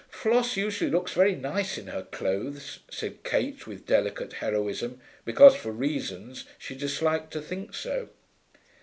'Floss usually looks very nice in her clothes,' said Kate with deliberate heroism, because, for reasons, she disliked to think so.